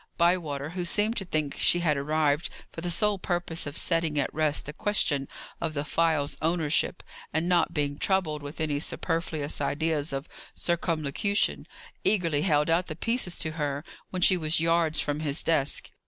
Bywater, who seemed to think she had arrived for the sole purpose of setting at rest the question of the phial's ownership, and not being troubled with any superfluous ideas of circumlocution, eagerly held out the pieces to her when she was yards from his desk.